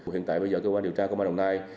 hiện tại bây giờ cơ quan điều tra công an đồng nai